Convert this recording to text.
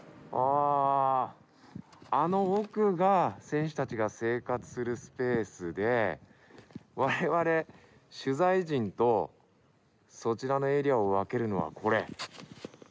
あの奥が選手たちが生活するスペースでわれわれ取材陣とそちらのエリアを分けるのはこれ。